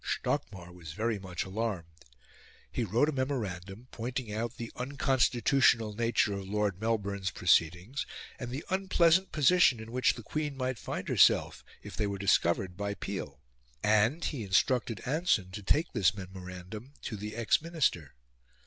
Stockmar was very much alarmed. He wrote a memorandum, pointing out the unconstitutional nature of Lord Melbourne's proceedings and the unpleasant position in which the Queen might find herself if they were discovered by Peel; and he instructed Anson to take this memorandum to the ex Minister.